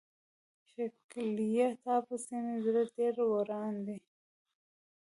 ښکليه تا پسې مې زړه ډير وران دی.